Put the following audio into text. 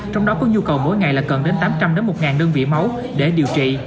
trong đó có nhu cầu mỗi ngày là cần đến tám trăm linh một đơn vị máu để điều trị